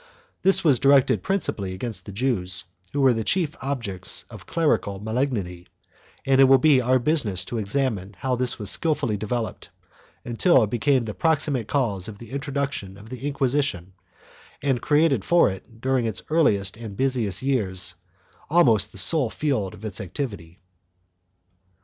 This was directed principally against the Jews, who were the chief objects of clerical malignity, and it will be our business to examine how this was skilfully developed, until it became the proximate cause of the introduction of the Inquisition and created for it, during its earliest and busiest years, almost the sole field of its activity.